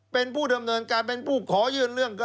เป็นผู้ดำเนินการเป็นผู้ขอยื่นเรื่อง